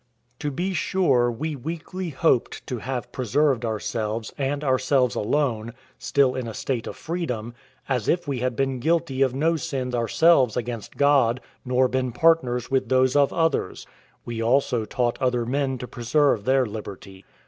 To be sure we weakly hoped to have preserved ourselves, and ourselves alone, still in a state of freedom, as if we had been guilty of no sins ourselves against God, nor been partners with those of others; we also taught other men to preserve their liberty.